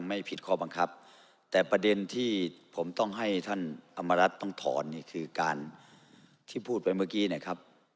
ไม่ผิดข้อบังคับแต่ประเด็นที่ผมต้องให้ท่านอำมารัฐต้องถอนนี่คือการที่พูดไปเมื่อกี้นะครับ